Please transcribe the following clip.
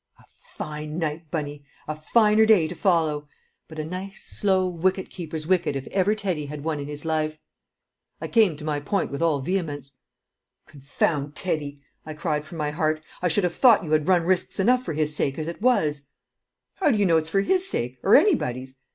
"A fine night, Bunny! A finer day to follow! But a nice, slow, wicket keeper's wicket if ever Teddy had one in his life!" I came to my point with all vehemence. "Confound Teddy!" I cried from my heart. "I should have thought you had run risks enough for his sake as it was!" "How do you know it's for his sake or anybody's?"